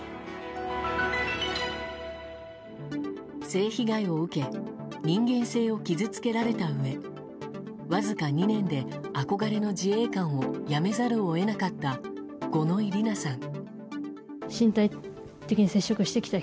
性被害を受け人間性を傷つけられたうえわずか２年で憧れの自衛官を辞めざるを得なかった五ノ井里奈さん。